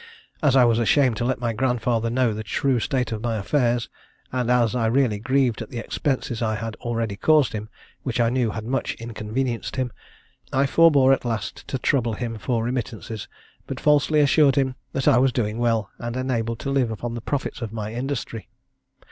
As I was ashamed to let my grandfather know the true state of my affairs, and as I really grieved at the expenses I had already caused him, which I knew had much inconvenienced him, I forbore at last to trouble him for remittances; but falsely assured him that I was doing well, and enabled to live upon the profits of my industry.